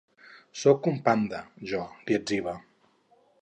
“Sóc un panda, jo”, li etziba.